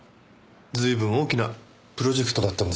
随分大きなプロジェクトだったんですね。